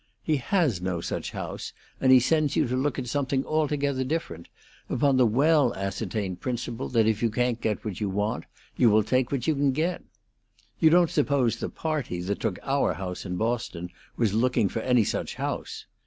He has no such house, and he sends you to look at something altogether different, upon the well ascertained principle that if you can't get what you want you will take what you can get. You don't suppose the 'party' that took our house in Boston was looking for any such house?